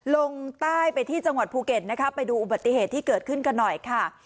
ลงใต้ไปที่จังหวัดภูเก็ตนะคะไปดูอุบัติเหตุที่เกิดขึ้นกันหน่อยค่ะ